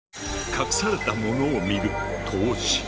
隠されたものを見る「透視」。